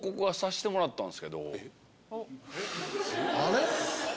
あれ？